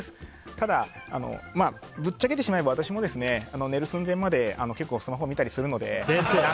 ただ、ぶっちゃけてしまえば私も寝る寸前まで結構スマホ見たりするので。